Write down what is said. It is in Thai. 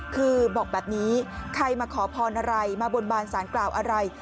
คือบอกแบบนี้ใครมาขอพรอะไรมาบนบานสารกล่าวอะไร